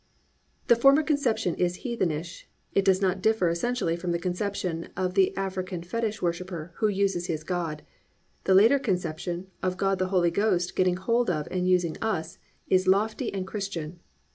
The former conception is heathenish, it does not differ essentially from the conception of the African fetich worshipper who uses his god. The latter conception, of God the Holy Ghost getting hold of and using us, is lofty and Christian.